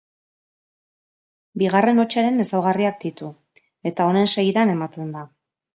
Bigarren hotsaren ezaugarriak ditu eta honen segidan ematen da.